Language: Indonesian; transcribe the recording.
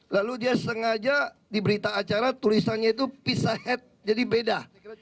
lalu dia sengaja diberita acara tulisannya itu pizza head jadi beda